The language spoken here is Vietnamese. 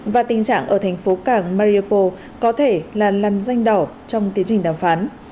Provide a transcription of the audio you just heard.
và tình trạng ở thành phố cảng mariupol có thể là lăn danh đỏ trong tiến trình đàm phán